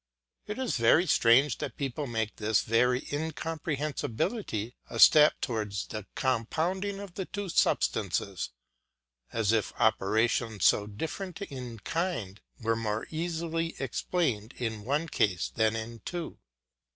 It is very strange that people make this very incomprehensibility a step towards the compounding of the two substances, as if operations so different in kind were more easily explained in one case than in two.